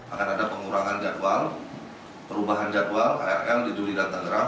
akan ada pengurangan jadwal perubahan jadwal krl di juli dan tangerang